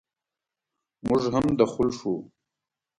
موږ هم دخول شوو.